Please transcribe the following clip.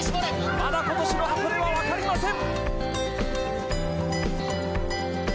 まだ今年の箱根はわかりません！